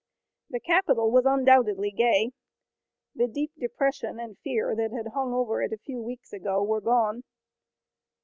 The capital was undoubtedly gay. The deep depression and fear that had hung over it a few weeks ago were gone.